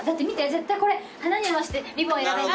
絶対これ花に合わせてリボン選べる。